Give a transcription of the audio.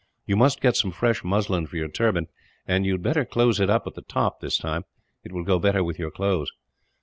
You must get some fresh muslin for your turban; and you had better close it up at the top, this time. It will go better with your clothes."